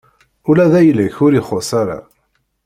Ula d ayla-k ur ixuṣṣ ara.